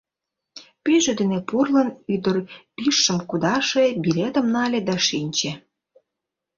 Пӱйжӧ дене пурлын, ӱдыр пижшым кудаше, билетым нале да шинче.